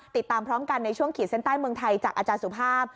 ติดตามพร้อมกันในช่วงขีดเส้นใต้เมืองไทยจากอาจารย์สุภาพ